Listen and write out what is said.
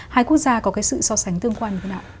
hai quốc gia có cái sự so sánh tương quan với nào